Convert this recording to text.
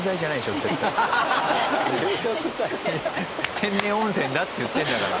天然温泉だって言ってるんだから。